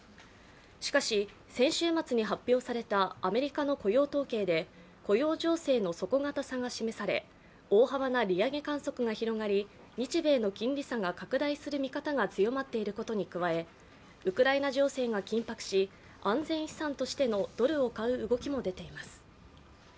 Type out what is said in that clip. しかし先週末に発表されたアメリカの雇用統計で雇用情勢の底堅さが示され大幅な利上げ観測が広がり日米の金利差が拡大する見方が強まっていることに加えウクライナ情勢が緊迫し安全資産としてのドルを買う動きも出ています。